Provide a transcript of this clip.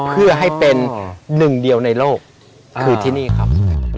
เพื่อให้เป็นหนึ่งเดียวในโลกคือที่นี่ครับ